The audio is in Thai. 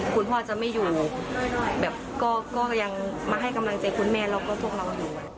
คุณพ่อจะไม่อยู่ก็ยังมาให้กำลังใจคุณแม่เราก็ทุกคนรู้